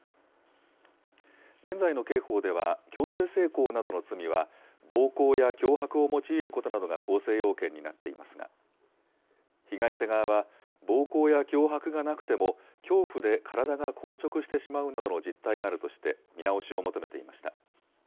現在の刑法では、強制性交などの罪は暴行や脅迫を用いることなどが構成要件になっていますが、被害者側は暴行や脅迫がなくても恐怖で体が硬直してしまうなどの実態があるとして、見直しを求めていました。